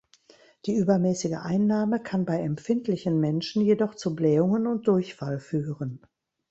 Die übermäßige Einnahme kann bei empfindlichen Menschen jedoch zu Blähungen und Durchfall führen.